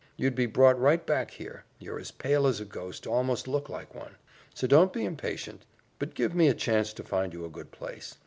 You'd be brought right back here. You're as pale as a ghost almost look like one. So don't be impatient, but give me a chance to find you a good place.